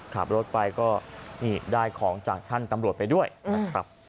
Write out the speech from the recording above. ขับรถไปก็นี่ได้ของจากท่านตำรวจไปด้วยนะครับ